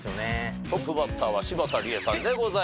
トップバッターは柴田理恵さんでございます。